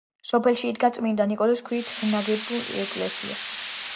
სოფელში იდგა წმინდა ნიკოლოზის ქვით ნაგები ეკლესია.